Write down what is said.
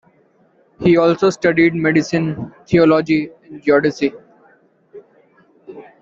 He also studied medicine, theology and geodesy.